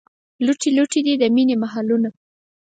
لوټې لوټې دي، د مینې محلونه